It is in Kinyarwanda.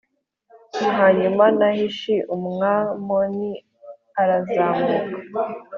Hanyuma Nahashi Umwamoni arazamuka